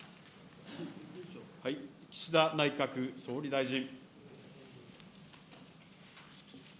岸田内閣総理大臣。